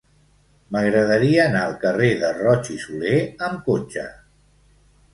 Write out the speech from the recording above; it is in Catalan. M'agradaria anar al carrer de Roig i Solé amb cotxe.